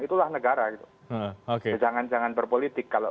itulah negara jangan jangan berpolitik